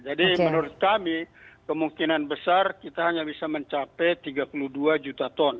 jadi menurut kami kemungkinan besar kita hanya bisa mencapai tiga puluh dua juta ton